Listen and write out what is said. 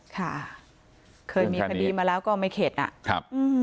ค่ะเคยมีคดีมาแล้วก็ไม่เข็ดนะ